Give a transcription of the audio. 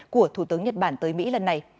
của thủ tướng nhật bản tới mỹ lần này